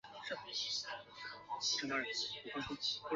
禄坤丁丑科翻译进士。